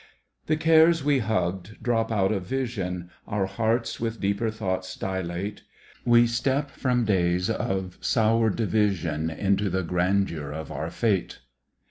The cares we hugged drop out of vision. Our hearts with deeper thoughts dilate. We step from days of sour division Into the grandeur of our fate.